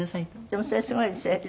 でもそれはすごいですね。